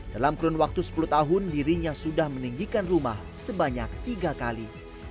dalam kurun waktu sepuluh tahun dirinya sudah meninggikan rumah sebanyak tiga kali